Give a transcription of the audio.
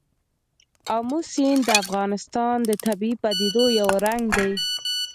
آمو سیند د افغانستان د طبیعي پدیدو یو رنګ دی.